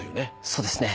そうですね。